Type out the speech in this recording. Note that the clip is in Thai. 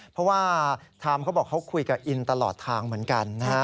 เพราะว่าไทม์เขาบอกเขาคุยกับอินตลอดทางเหมือนกันนะฮะ